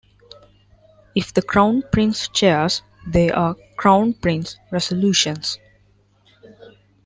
If the Crown Prince chairs, they are Crown Prince resolutions.